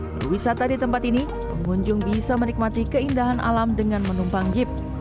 berwisata di tempat ini pengunjung bisa menikmati keindahan alam dengan menumpang jeep